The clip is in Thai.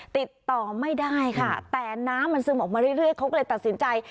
ติดต่อไม่ได้ค่ะแต่น้ำมันซึมออกมาเรื่อยเขาก็เลยตัดสินใจ